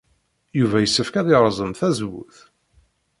Yuba yessefk ad yerẓem tazewwut?